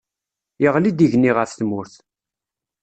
Yeɣli-d igenni ɣef tmurt.